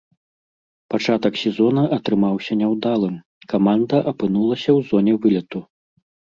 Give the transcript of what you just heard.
Пачатак сезона атрымаўся няўдалым, каманда апынулася ў зоне вылету.